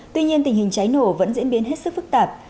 tuy nhiên tình hình cháy nổ vẫn diễn biến hết sức phức tạp